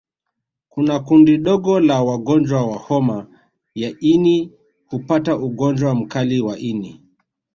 Kuna kundi dogo la wagonjwa wa homa ya ini hupata ugonjwa mkali wa ini